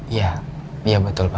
iya iya betul pak